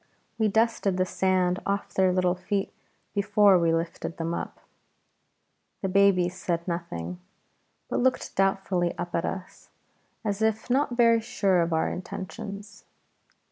"We dusted the sand off their little feet before we lifted them up." The babies said nothing, but looked doubtfully up at us, as if not very sure of our intentions.